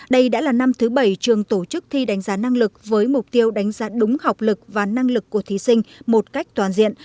đây đã là năm thứ bảy trường tổ chức thi đánh giá năng lực với mục tiêu đánh giá đúng học lực và năng lực của thí sinh một cách toàn diện